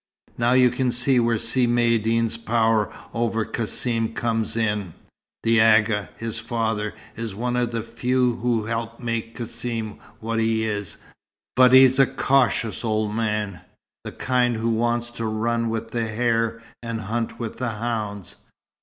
Now you can see where Si Maïeddine's power over Cassim comes in. The Agha, his father, is one of the few who helped make Cassim what he is, but he's a cautious old man, the kind who wants to run with the hare and hunt with the hounds.